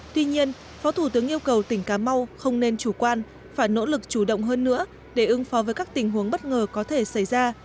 tuy nhiên phó thủ tướng yêu cầu tỉnh cà mau không nên chủ quan phải nỗ lực chủ động hơn nữa để ứng phó với các tình huống bất ngờ có thể xảy ra